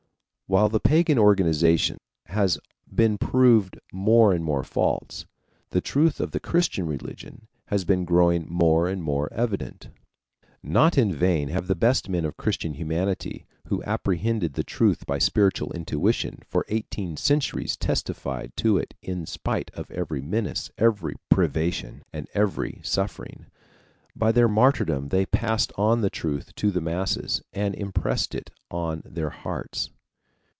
While the pagan organization has been proved more and more false, the truth of the Christian religion has been growing more and more evident. Not in vain have the best men of Christian humanity, who apprehended the truth by spiritual intuition, for eighteen centuries testified to it in spite of every menace, every privation, and every suffering. By their martyrdom they passed on the truth to the masses, and impressed it on their hearts.